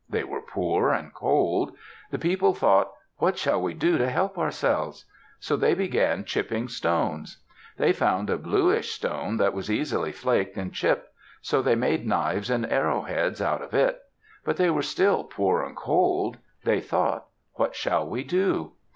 They were poor and cold. The people thought, "What shall we do to help ourselves?" So they began chipping stones. They found a bluish stone that was easily flaked and chipped; so they made knives and arrowheads out of it. But they were still poor and cold. They thought, "What shall we do?"